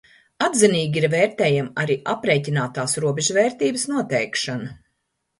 Atzinīgi ir vērtējama arī aprēķinātās robežvērtības noteikšana.